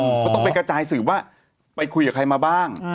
ก็ต้องไปกระจายสืบว่าไปคุยกับใครมาบ้าง